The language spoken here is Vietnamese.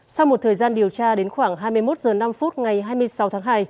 sau một thời gian điều tra đến khoảng hai mươi một h năm ngày hai mươi sáu tháng hai